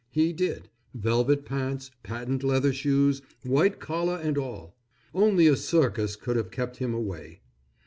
He did, velvet pants, patent leather shoes, white collar and all. Only a circus could have kept him away.